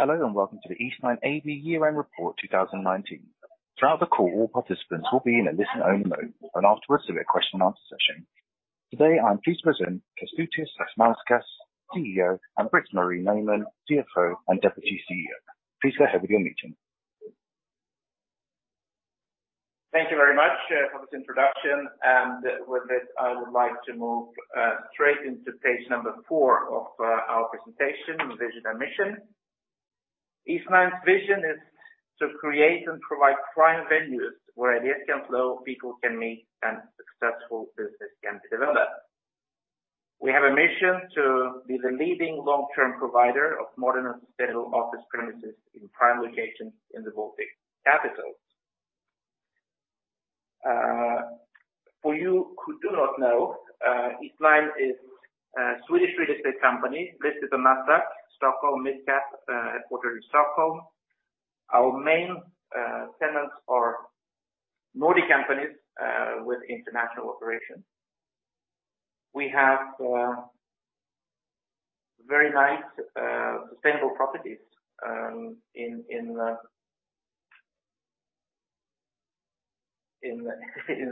Hello, and welcome to the Eastnine AB Year End Report 2019. Throughout the call, all participants will be in a listen-only mode, and afterwards there will be a question and answer session. Today, I am pleased to present Kestutis Sasnauskas, CEO, and Britt-Marie Nyman, CFO and Deputy CEO. Please go ahead with your meeting. Thank you very much for this introduction. With this, I would like to move straight into page number four of our presentation, the vision and mission. Eastnine's vision is to create and provide prime venues where ideas can flow, people can meet, and successful business can be developed. We have a mission to be the leading long-term provider of modern and sustainable office premises in prime locations in the Baltic capitals. For you who do not know, Eastnine is a Swedish real estate company listed on Nasdaq Stockholm Mid Cap, headquartered in Stockholm. Our main tenants are Nordic companies with international operations. We have very nice sustainable properties in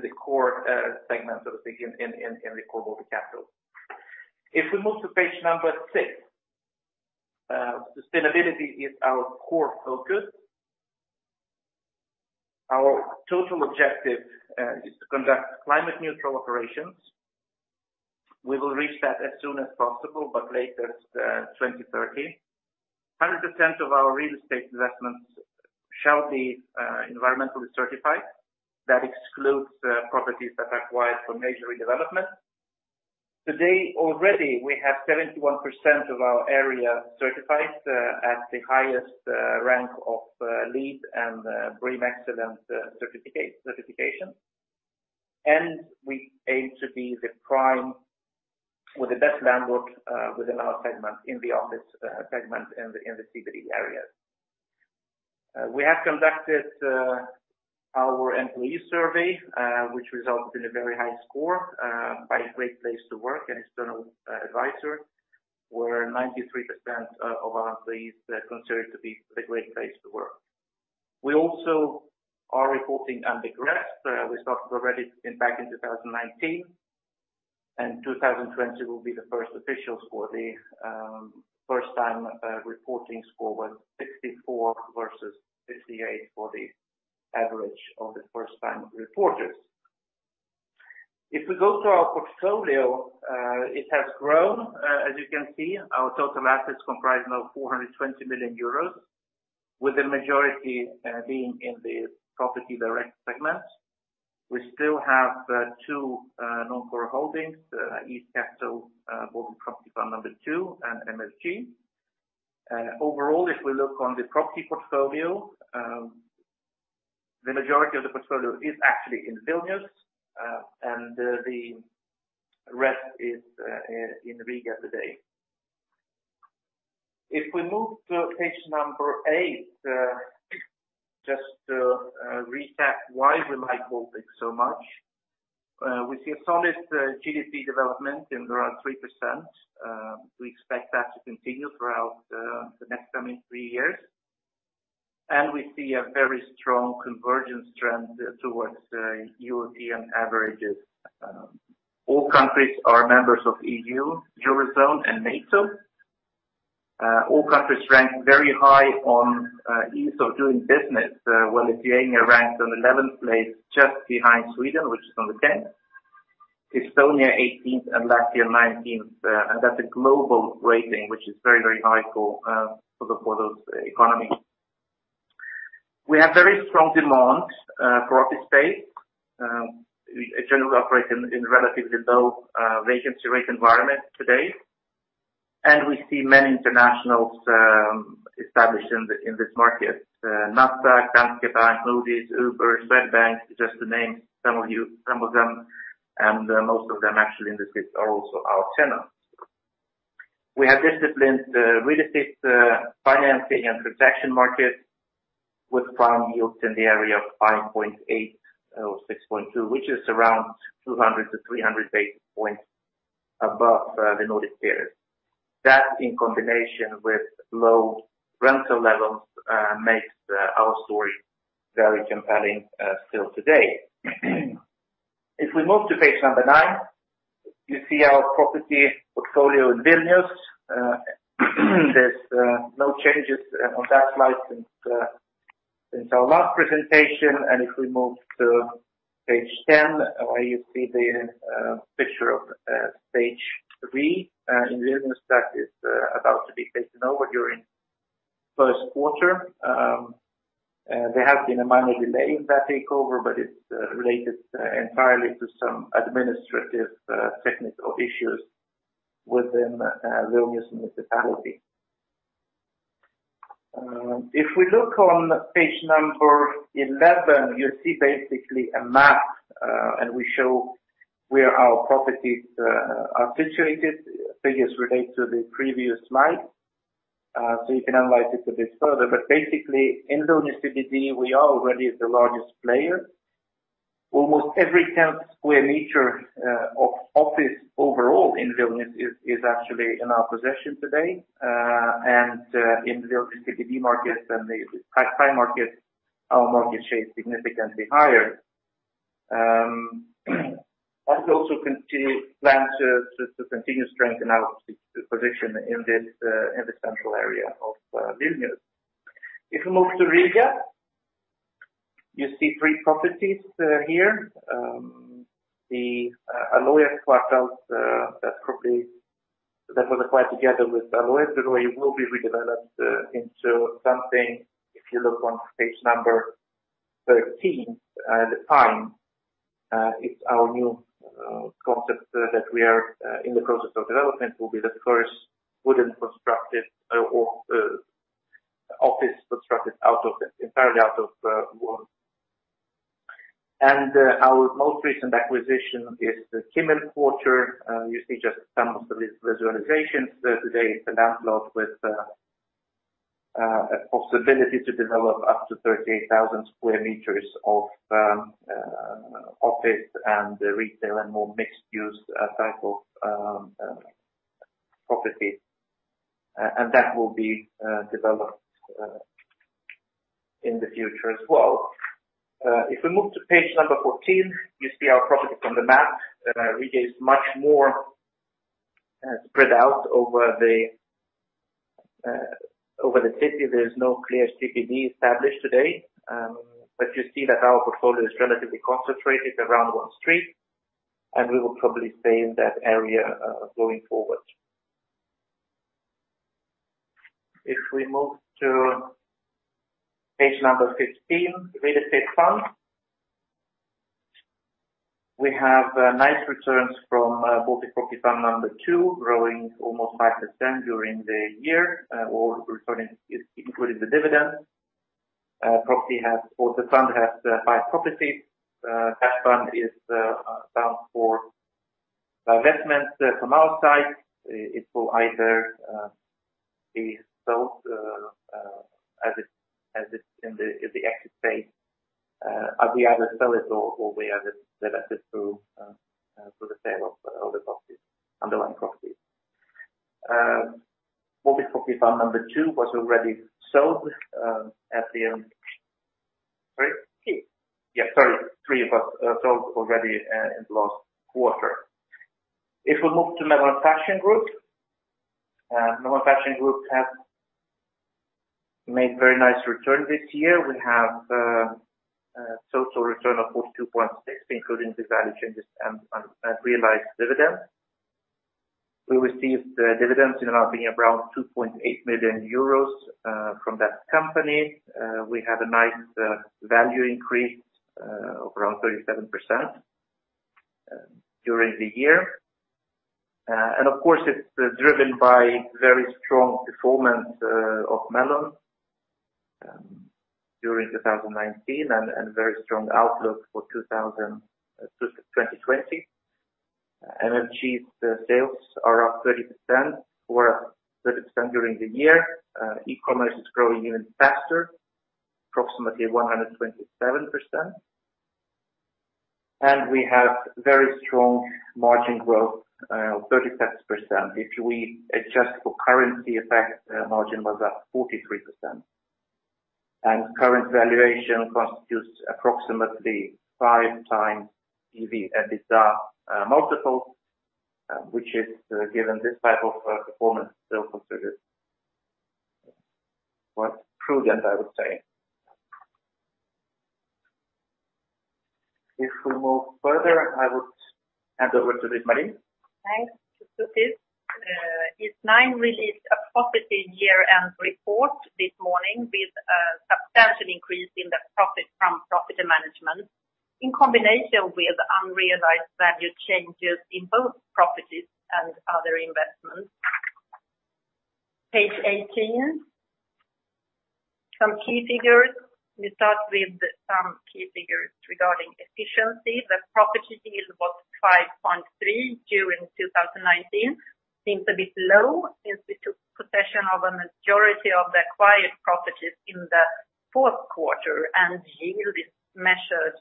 the core segment of the core Baltic capital. If we move to page number six. Sustainability is our core focus. Our total objective is to conduct climate neutral operations. We will reach that as soon as possible, but latest 2030. 100% of our real estate investments shall be environmentally certified. That excludes properties that are acquired for major redevelopment. Today already, we have 71% of our area certified at the highest rank of LEED and BREEAM Excellent certification. We aim to be the prime with the best landlord within our segment in the office segment in the CBD areas. We have conducted our employee survey, which resulted in a very high score, by a Great Place to Work, an external advisor, where 93% of our employees consider it to be a great place to work. We also are reporting under GRESB. We started already back in 2019. 2020 will be the first official score, the first time reporting score was 64 versus 58 for the average of the first time reporters. If we go to our portfolio, it has grown. As you can see, our total assets comprise now 420 million euros, with the majority being in the property direct segment. We still have two non-core holdings, East Capital Baltic Property Fund II and MFG. Overall, if we look on the property portfolio, the majority of the portfolio is actually in Vilnius, and the rest is in Riga today. If we move to page number eight, just to recap why we like the Baltics so much. We see a solid GDP development in around 3%. We expect that to continue throughout the next coming three years. We see a very strong convergence trend towards European averages. All countries are members of E.U., Eurozone and NATO. All countries rank very high on ease of doing business. Lithuania ranks on 11th place, just behind Sweden, which is on the 10th. Estonia, 18th, and Latvia, 19th. That's a global rating, which is very high for those economies. We have very strong demand for office space. We generally operate in relatively low vacancy rate environment today, and we see many internationals established in this market. Nasdaq, Danske Bank, Nordea, Uber, Swedbank, just to name some of them, and most of them actually in this list are also our tenants. We have disciplined real estate financing and transaction market with prime yields in the area of 5.8% or 6.2%, which is around 200 to 300 basis points above the Nordic peers. That, in combination with low rental levels, makes our story very compelling still today. If we move to page number nine, you see our property portfolio in Vilnius. There's no changes on that slide since our last presentation. If we move to page 10, where you see the picture of stage three in Vilnius. That is about to be taken over during first quarter. There has been a minor delay in that takeover, but it is related entirely to some administrative technical issues within Vilnius Municipality. If we look on page 11, you see basically a map, and we show where our properties are situated. Figures relate to the previous slide, so you can analyze it a bit further. Basically in Vilnius CBD, we are already the largest player. Almost every 10 sq m of office overall in Vilnius is actually in our possession today. In the Vilnius CBD markets and the prime markets, our market share is significantly higher. We also plan to continue to strengthen our position in the central area of Vilnius. If we move to Riga, you see three properties here. The Alojas Kvartāls, that property that was acquired together with Alojas Biroji will be redeveloped into something. If you look on page number 13, it's our new concept that we are in the process of development, will be the first wooden office constructed entirely out of wood. Our most recent acquisition is the Kimmel Quarter. You see just some of these visualizations. Today, it's a land lot with a possibility to develop up to 38,000 sq m of office and retail and more mixed-use type of property. That will be developed in the future as well. If we move to page number 14, you see our property on the map. Riga is much more spread out over the city. There is no clear CBD established today. You see that our portfolio is relatively concentrated around one street, and we will probably stay in that area going forward. If we move to page number 15, real estate funds. We have nice returns from Baltic Property Fund II, growing almost 5% during the year, including the dividend. The fund has five properties. That fund is bound for divestment from our side. It will either be sold as it's in the exit phase, either sell it or we either develop it through the sale of other underlying properties. Baltic Property Fund II was already sold at the end. Sorry? Three. Yeah, sorry. Three was sold already in the last quarter. If we move to Melon Fashion Group. Melon Fashion Group has made very nice return this year. We have a total return of 42.6%, including the value changes and realized dividends. We received dividends amounting around 2.8 million euros from that company. We had a nice value increase of around 37% during the year. Of course, it's driven by very strong performance of Melon during 2019 and very strong outlook for 2020. Achieved sales are up 30% during the year. E-commerce is growing even faster, approximately 127%. We have very strong margin growth, 37%. If we adjust for currency effect, the margin was up 43%. Current valuation constitutes approximately 5x EV and EBITDA multiples, which is, given this type of performance, still considered quite prudent, I would say. If we move further, I would hand over to Britt-Marie. Thanks, Kestutis. Eastnine released a property year-end report this morning with a substantial increase in the profit from property management in combination with unrealized value changes in both properties and other investments. Page 18. Some key figures. We start with some key figures regarding efficiency. The property is about 5.3% during 2019. Seems a bit low since we took possession of a majority of the acquired properties in the fourth quarter. Yield is measured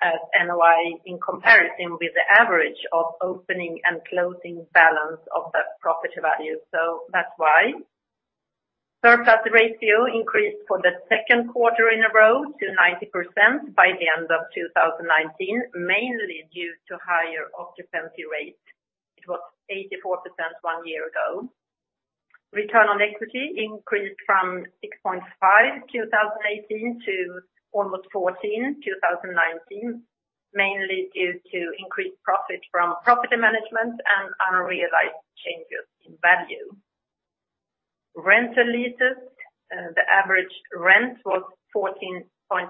as NOI in comparison with the average of opening and closing balance of that property value. That's why. Surplus ratio increased for the second quarter in a row to 90% by the end of 2019, mainly due to higher occupancy rate. It was 84% one year ago. Return on equity increased from 6.5% in 2018 to almost 14% in 2019, mainly due to increased profit from property management and unrealized changes in value. Rental leases. The average rent was 14.7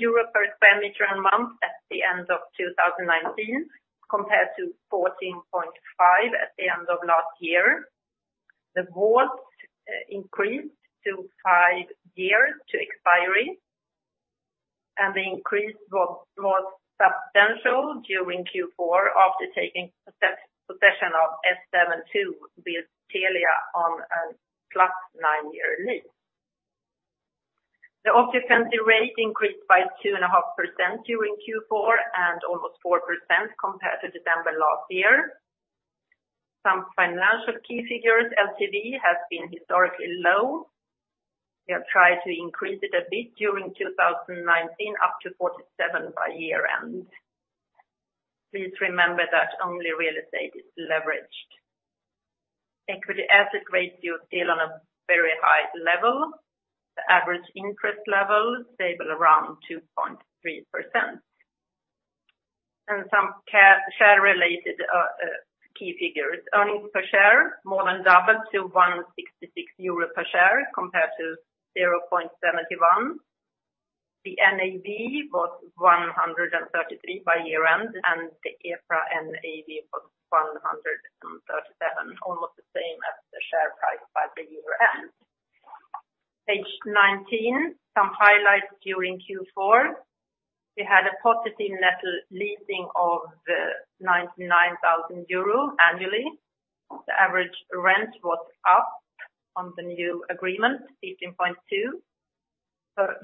euro per sq m a month at the end of 2019, compared to 14.5 at the end of last year. The WALT increased to five years to expiry, and the increase was most substantial during Q4 after taking possession of S7-2 with Telia on a 9+ year lease. The occupancy rate increased by 2.5% during Q4 and almost 4% compared to December last year. Some financial key figures. LTV has been historically low. We have tried to increase it a bit during 2019 up to 47 by year-end. Please remember that only real estate is leveraged. Equity asset ratio is still on a very high level. The average interest level is stable around 2.3%. Some share-related key figures. Earnings per share more than doubled to 1.66 euro per share compared to 0.71. The NAV was 133 by year-end and the EPRA NAV was 137, almost the same as the share price by the year-end. Page 19. Some highlights during Q4. We had a positive net leasing of 99,000 euro annually. The average rent was up on the new agreement, 15.2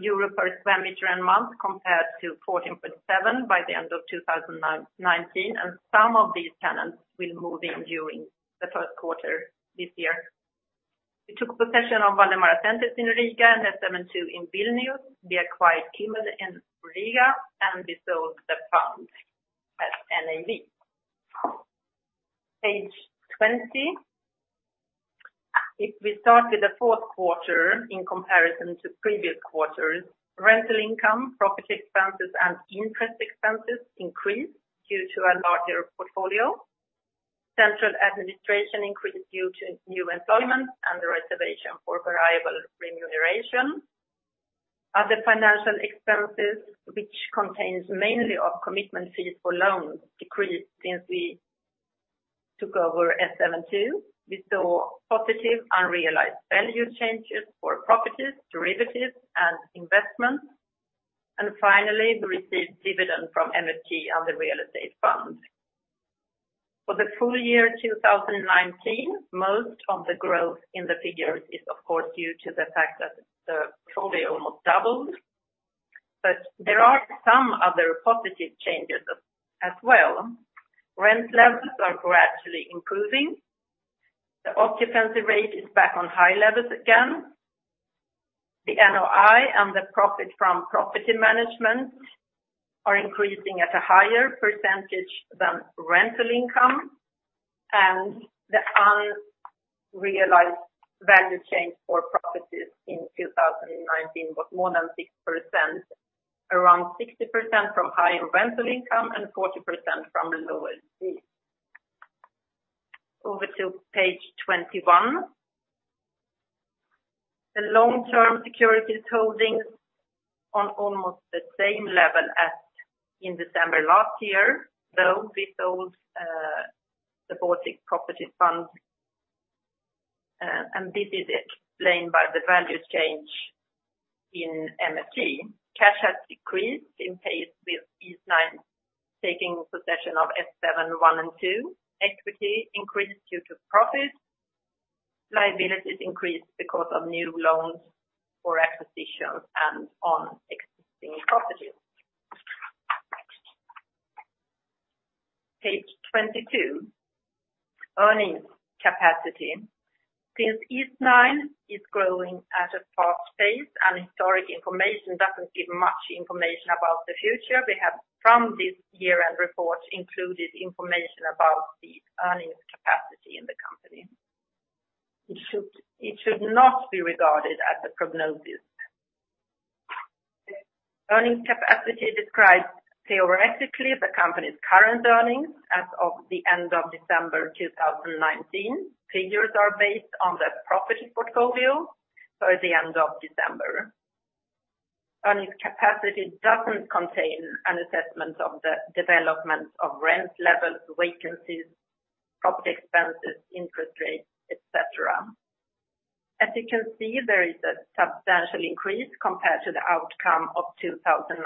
euro per sq m a month compared to 14.7 by the end of 2019. Some of these tenants will move in during the first quarter this year. We took possession of Valdemara Centrs in Riga and S7-2 in Vilnius. We acquired Kimmel in Riga and we sold the fund at NAV. Page 20. If we started the fourth quarter in comparison to previous quarters, rental income, property expenses, and interest expenses increased due to a larger portfolio. Central administration increased due to new employment and the reservation for variable remuneration. Other financial expenses, which contains mainly of commitment fees for loans, decreased since we took over S7-2. We saw positive unrealized value changes for properties, derivatives, and investments. Finally, we received dividend from MFG and the Real Estate Fund. For the full year 2019, most of the growth in the figures is of course due to the fact that the portfolio almost doubled. There are some other positive changes as well. Rent levels are gradually improving. The occupancy rate is back on high levels again. The NOI and the profit from property management are increasing at a higher percentage than rental income, and the unrealized value change for properties in 2019 was more than 6%, around 60% from higher rental income and 40% from lower fees. Over to page 21. The long-term securities holdings are almost the same level as in December last year. We sold the Baltic Property Fund, and this is explained by the value change in MFG. Cash has decreased in pace with Eastnine taking possession of S7-1 and S7-2. Equity increased due to profit. Liabilities increased because of new loans for acquisitions and on existing properties. Page 22. earnings capacity. Since Eastnine is growing at a fast pace and historic information doesn't give much information about the future, we have from this year-end report included information about the earnings capacity in the company. It should not be regarded as a prognosis. The earnings capacity describes theoretically the company's current earnings as of the end of December 2019. Figures are based on the property portfolio for the end of December. Earnings capacity doesn't contain an assessment of the development of rent levels, vacancies, property expenses, interest rates, et cetera. As you can see, there is a substantial increase compared to the outcome of 2019,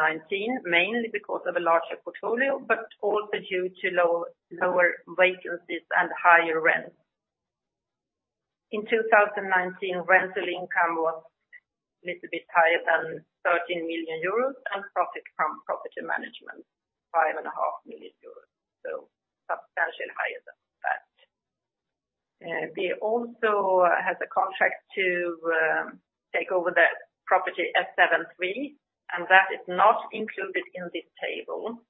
mainly because of a larger portfolio, but also due to lower vacancies and higher rents. In 2019, rental income was a little bit higher than 13 million euros and profit from property management, 5.5 million euros. Substantial higher than that. We also have a contract to take over the property S7-3, and that is not included in this table.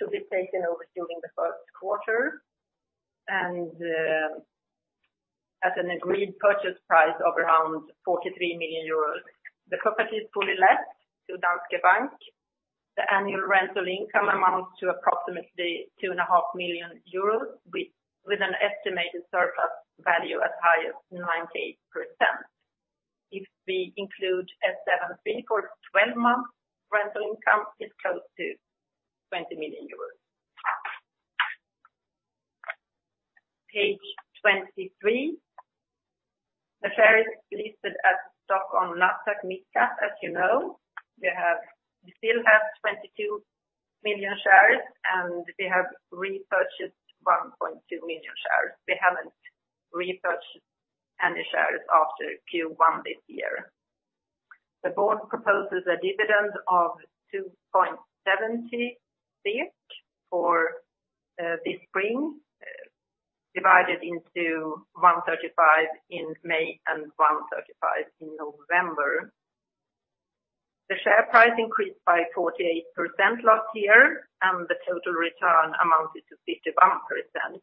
To be taken over during the first quarter and at an agreed purchase price of around 43 million euros. The property is fully let to Danske Bank. The annual rental income amounts to approximately 2.5 million euros with an estimated surplus value as high as 90%. If we include S7-3 for 12 months, rental income is close to 20 million euros. Page 23. The share is listed at Nasdaq Stockholm Mid Cap, as you know. We still have 22 million shares, and we have repurchased 1.2 million shares. We haven't repurchased any shares after Q1 this year. The board proposes a dividend of 2.70 for this spring, divided into 1.35 in May and 1.35 in November. The share price increased by 48% last year, and the total return amounted to 51%.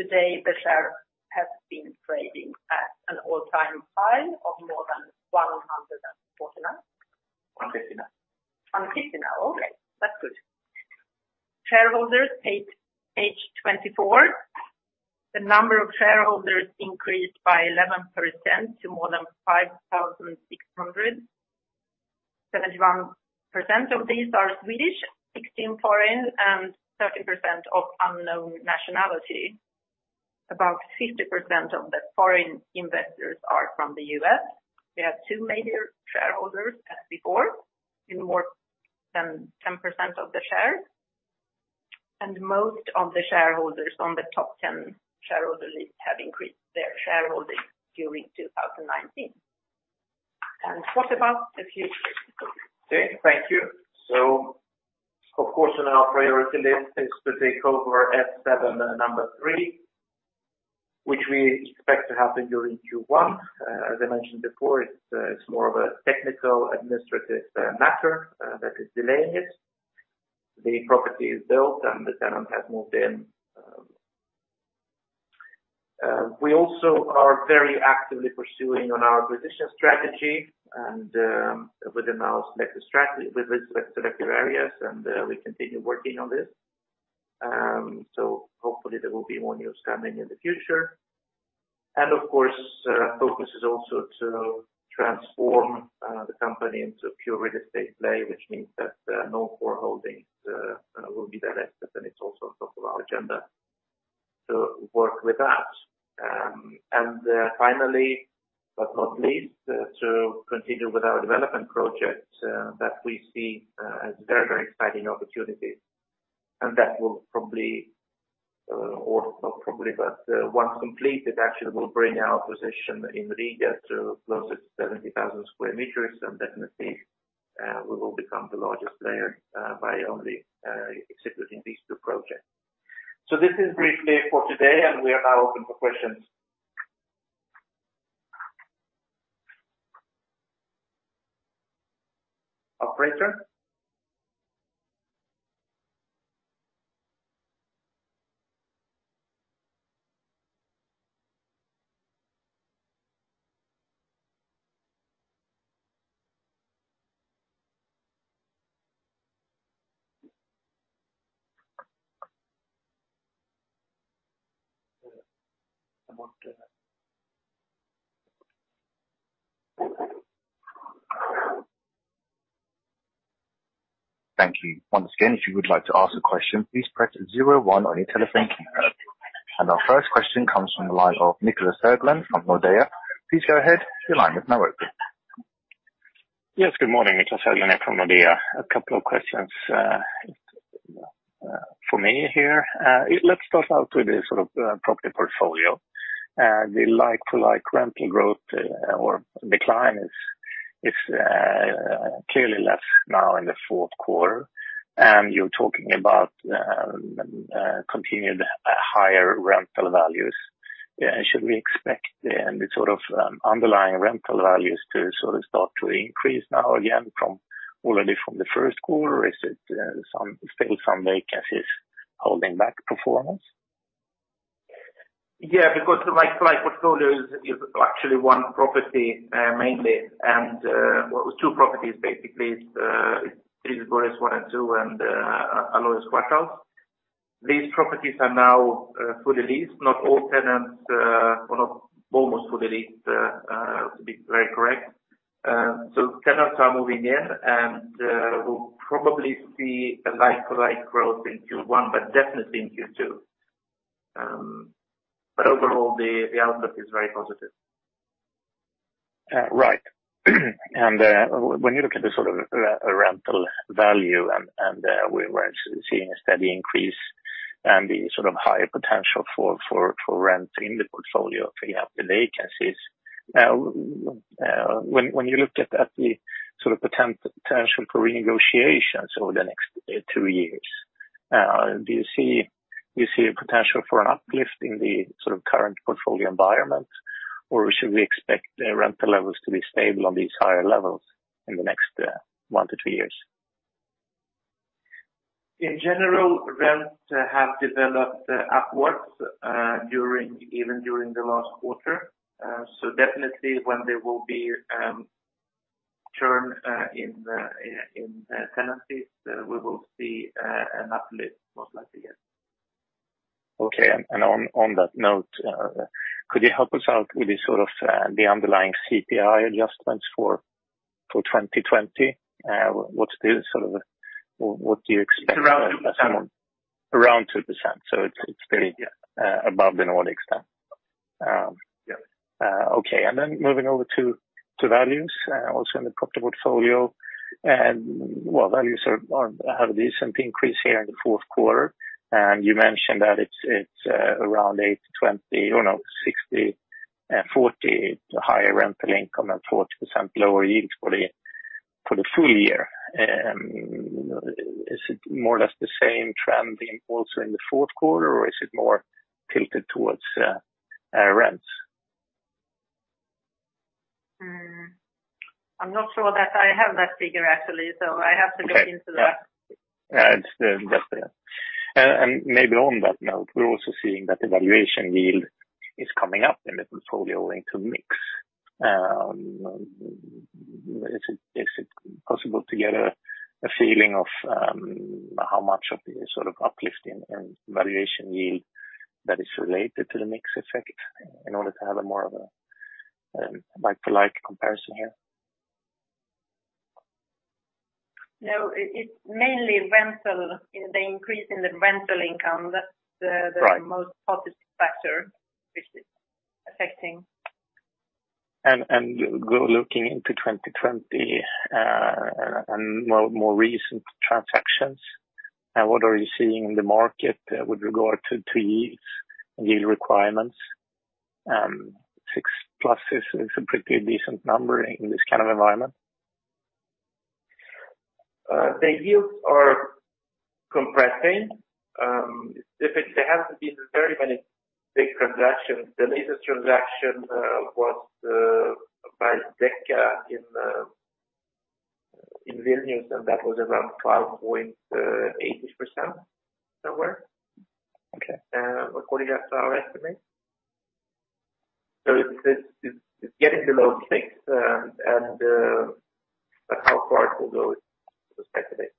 Today, the share has been trading at an all-time high of more than 149. 159. 159, alright. That's good. Shareholders page 24. The number of shareholders increased by 11% to more than 5,600. 71% of these are Swedish, 16 foreign, and 30% of unknown nationality. About 50% of the foreign investors are from the U.S. We have two major shareholders as before, who own more than 10% of the shares. Most of the shareholders on the top 10 shareholder list have increased their shareholding during 2019. What about the future? Okay. Thank you. Of course, on our priority list is to take over S7-3, which we expect to happen during Q1. As I mentioned before, it's more of a technical administrative matter that is delaying it. The property is built, and the tenant has moved in. We also are very actively pursuing on our [acquisition] strategy within our selected areas, and we continue working on this. Hopefully there will be more news coming in the future. Of course, our focus is also to transform the company into a pure real estate play, which means that no core holdings will be there. It's also top of our agenda to work with that. Finally, but not least, to continue with our development projects that we see as very, very exciting opportunities. That will probably, not probably, but once completed, actually will bring our position in Riga to closer to 70,000 sq m, and definitely, we will become the largest player by only executing these two projects. This is briefly for today, and we are now open for questions. Operator? Thank you. Once again, if you would like to ask a question, please press zero one on your telephone keypad. Our first question comes from the line of Niclas Höglund from Nordea. Please go ahead. Your line is now open. Yes, good morning. It's Niclas Höglund from Nordea. A couple of questions for me here. Let's start out with the property portfolio. The like-for-like rental growth or decline is clearly less now in the fourth quarter. You're talking about continued higher rental values. Should we expect the underlying rental values to start to increase now again already from the first quarter, or is it still some vacancies holding back performance? Yeah, because the like-for-like portfolio is actually one property mainly, and well, it was two properties, basically. It's 3Bures-1, 2 and Alojas Kvartāls. These properties are now fully leased. Not all tenants, well, almost fully leased, to be very correct. Tenants are moving in, and we'll probably see a like-for-like growth in Q1, but definitely in Q2. Overall, the outlook is very positive. Right. When you look at the rental value, and we were seeing a steady increase and the higher potential for rent in the portfolio if we have the vacancies. When you look at the potential for renegotiation over the next two years, do you see a potential for an uplift in the current portfolio environment, or should we expect the rental levels to be stable on these higher levels in the next one to two years? In general, rents have developed upwards even during the last quarter. Definitely when there will be turn in tenancies, we will see an uplift, most likely, yes. Okay. On that note, could you help us out with the underlying CPI adjustments for 2020? What do you expect? Around 2%. Around 2%. It's pretty above the Nordic standard. Okay. Moving over to values also in the property portfolio. Values have a decent increase here in the fourth quarter. You mentioned that it's around 80/20, or no, 60/40 higher rental income and 40% lower yields for the full year. Is it more or less the same trend also in the fourth quarter, or is it more tilted towards rents? I'm not sure that I have that figure actually. I have to look into that. Yeah. Maybe on that note, we are also seeing that the valuation yield is coming up in the portfolio into mix. Is it possible to get a feeling of how much of the uplift in valuation yield that is related to the mix effect in order to have more of a like-for-like comparison here? No, it's mainly rental, in the increase in the rental income. Right. That's the most positive factor which is affecting. Go looking into 2020, and more recent transactions. What are you seeing in the market with regard to yields and yield requirements? 6%+ is a pretty decent number in this kind of environment. The yields are compressing. There hasn't been very many big transactions. The latest transaction was by Deka in Vilnius, and that was around 12.80% somewhere. Okay. According to our estimate. It's getting below 6%, but how far it will go, speculative.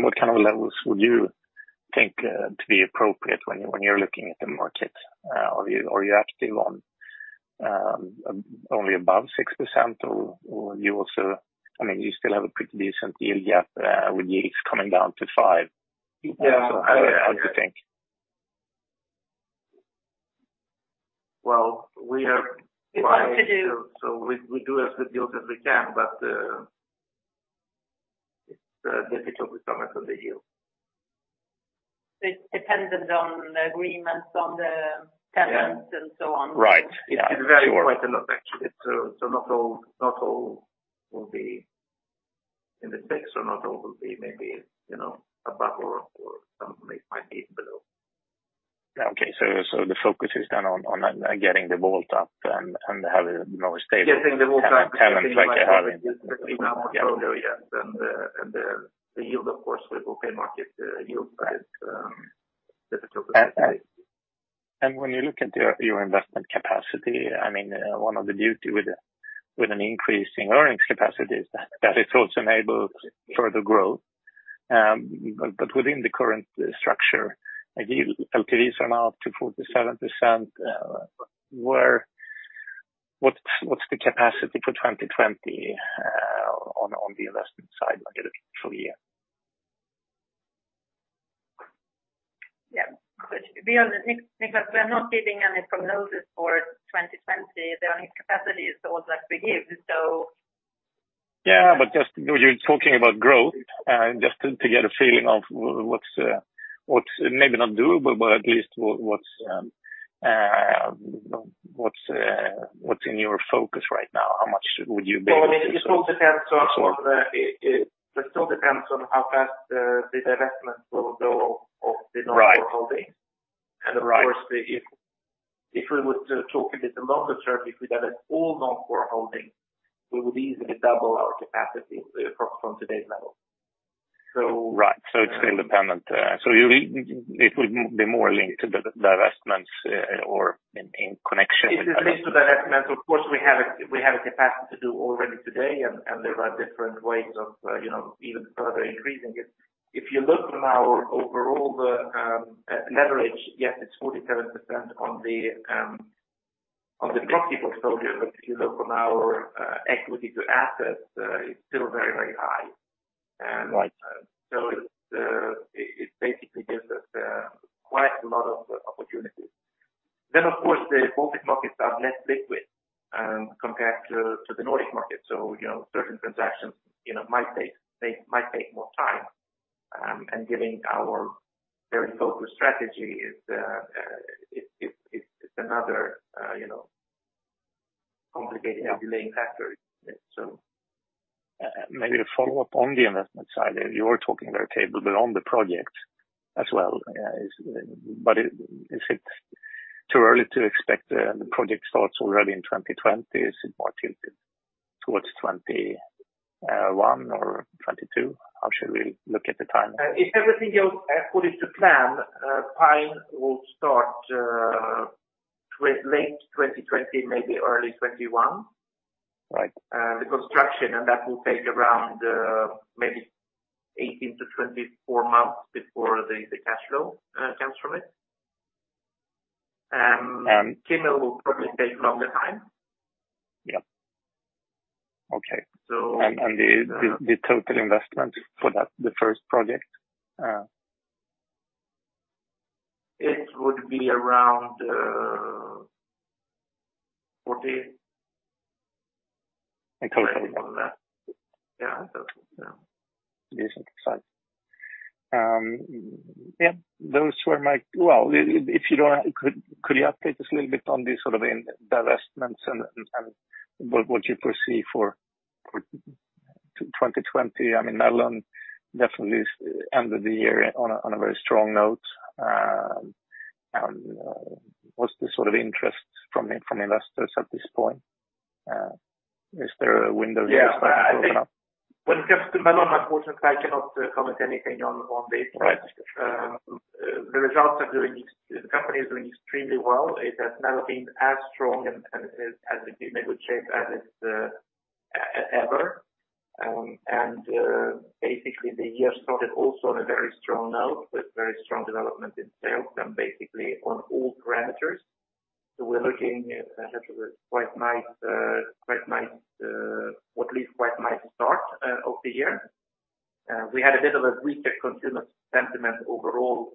What kind of levels would you think to be appropriate when you're looking at the market? Are you active on only above 6% or you still have a pretty decent yield yet with yields coming down to 5%? Yeah. How do you think? Well, we have. It's hard to do. We do as good deals as we can, but it's difficult with some of the deals. It's dependent on the agreements on the tenants and so on. Right. It vary quite a lot, actually. Not all will be in the mix or not all will be maybe above or some might be below. Okay. The focus is then on getting the vault up and have a more stable Getting the vault up. Tenants like you have. Yes. The yield, of course, with okay market yields, but difficult to say. When you look at your investment capacity, one of the beauty with an increase in earnings capacity is that it also enables further growth. Within the current structure, LTVs are now up to 47%. What's the capacity for 2020 on the investment side, like a full year? Yeah. Niclas, we are not giving any prognosis for 2020. There are no capacities or that we give. Yeah, just you're talking about growth, just to get a feeling of what's maybe not doable, but at least what's in your focus right now. How much would you be able to? It still depends on how fast the divestments will go of the non-core holdings. Right. Of course, if we were to talk a bit longer term, if we get an all non-core holding, we would easily double our capacity from today's level. Right. It's independent. It would be more linked to the divestments or in connection with. It is linked to divestments. Of course, we have a capacity to do already today, and there are different ways of even further increasing it. If you look on our overall leverage, yes, it's 47% on the property portfolio, but if you look on our equity to assets, it's still very high. Right. It basically gives us quite a lot of opportunities. Then of course, the Baltic markets are less liquid compared to the Nordic market. Certain transactions might take more time. Given our very focused strategy, it is another complicating or delaying factor. Maybe to follow up on the investment side, you were talking there, table, but on the project as well. Is it too early to expect the project starts already in 2020? Is it more tilted towards 2021 or 2022? How should we look at the timing? If everything else according to plan, Pine will start late 2020, maybe early 2021. Right. The construction, that will take around maybe 18-24 months before the cash flow comes from it. Kimmel will probably take longer time. Yeah. Okay. So. The total investment for the first project? It would be around 40. Okay. Maybe more than that. Yeah. Decent size. Yeah. Could you update us a little bit on the sort of divestments and what you foresee for 2020? Melon definitely ended the year on a very strong note. What's the interest from investors at this point? Is there a window you're starting to open up? When it comes to Melon, unfortunately, I cannot comment anything on this. Right. The company is doing extremely well. It has never been as strong and has been in a good shape as ever. The year started also on a very strong note, with very strong development in sales and basically on all parameters. We're looking at what at least quite a nice start of the year. We had a bit of a weaker consumer sentiment overall,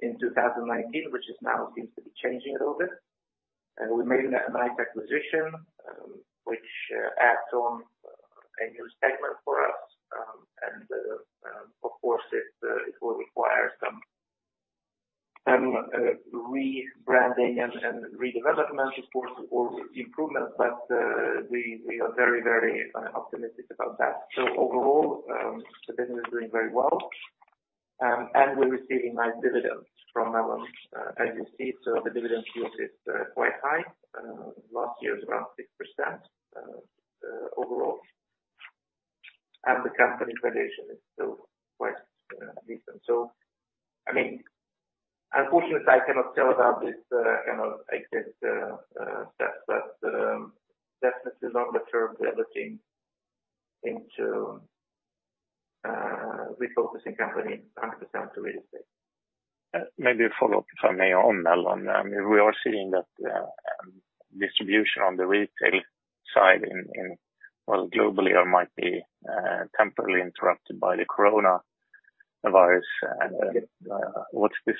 in 2019, which now seems to be changing a little bit. We made a nice acquisition, which adds on a new segment for us. Of course, it will require some rebranding and redevelopment, of course, or improvements. We are very, very optimistic about that. Overall, the business is doing very well. We're receiving nice dividends from Melon. As you see, the dividend yield is quite high. Last year it was around 6% overall. The company valuation is still quite decent. Unfortunately, I cannot tell about this, I guess, but definitely longer term, we are looking into refocusing company 100% to real estate. Maybe a follow-up, if I may, on Melon. We are seeing that distribution on the retail side globally might be temporarily interrupted by the coronavirus. What's the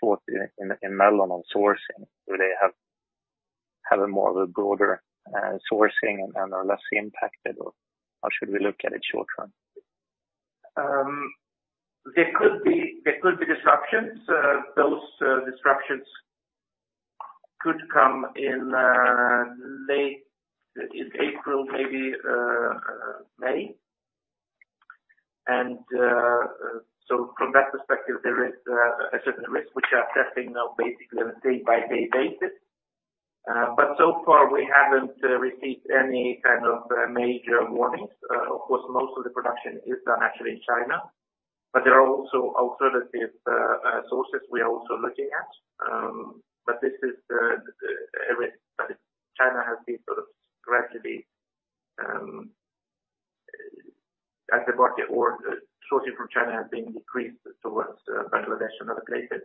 thought in Melon on sourcing? Do they have a more of a broader sourcing and are less impacted, or how should we look at it short term? There could be disruptions. Those disruptions could come in late April, maybe May. From that perspective, there is a certain risk which we are assessing now basically on a day-by-day basis. So far, we haven't received any kind of major warnings. Of course, most of the production is done actually in China, but there are also alternative sources we are also looking at. As the market or sourcing from China has been decreased towards Bangladesh and other places.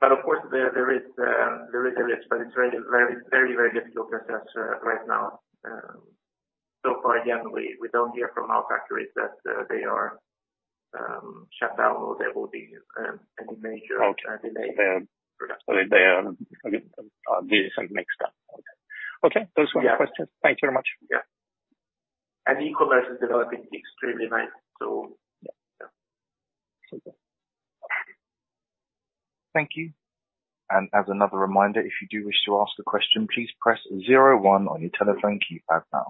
Of course, there is a risk, but it's very difficult to assess right now. So far, again, we don't hear from our factories that they are shut down or there will be any major delay. They are a decent mix then. Okay. Those were my questions. Thank you very much. Yeah. e-commerce is developing extremely nice, yeah. Okay. Thank you. As another reminder, if you do wish to ask a question, please press zero one on your telephone keypad now.